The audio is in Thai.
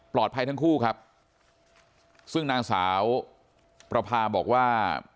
ทั้งคู่ครับซึ่งนางสาวประพาบอกว่า